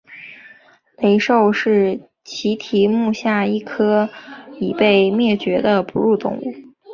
雷兽是奇蹄目下一科已灭绝的哺乳动物。